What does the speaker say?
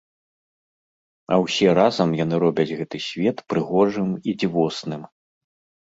А ўсе разам яны робяць гэты свет прыгожым і дзівосным.